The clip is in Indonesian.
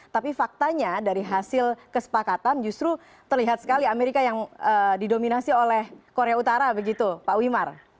tapi faktanya dari hasil kesepakatan justru terlihat sekali amerika yang didominasi oleh korea utara begitu pak wimar